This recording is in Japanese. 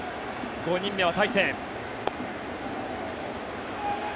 ５人目は大勢。